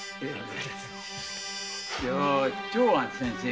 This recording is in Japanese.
長庵先生